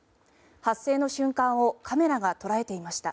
発生の瞬間をカメラが捉えていました。